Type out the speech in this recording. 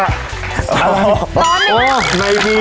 ตอนนี้มั้ย